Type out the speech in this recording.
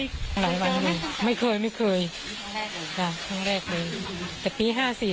ลำแหวนเมชัยไม่เคยไม่เคยทั้งแรกโดยแต่ปีห้าสี่